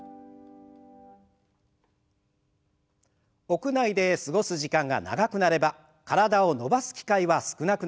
屋内で過ごす時間が長くなれば体を伸ばす機会は少なくなります。